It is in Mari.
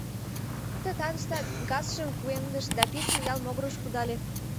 Ты татыштак газшым кугемдыш да писын ял могырыш кудале.